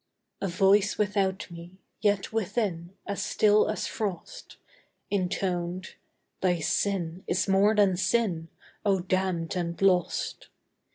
A voice without me, yet within, As still as frost, Intoned: "Thy sin is more than sin, O damned and lost!